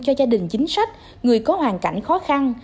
cho gia đình chính sách người có hoàn cảnh khó khăn